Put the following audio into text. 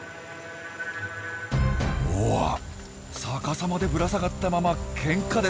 うわっ逆さまでぶら下がったままケンカです！